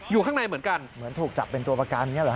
อยู่ข้างในเหมือนกันเหมือนถูกจับเป็นตัวประกันอย่างนี้เหรอฮ